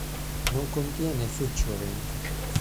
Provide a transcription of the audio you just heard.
Non contiene featuring.